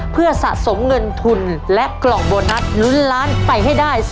เพื่อสะสมเงินทุนและกล่องโบนัสลุ้นล้านไปให้ได้